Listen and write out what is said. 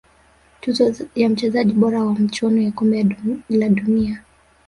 tuzo ya mchezaji bora wa michuano ya kombe la dunia